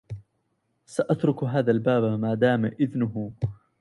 سأترك هذا الباب مادام إذنه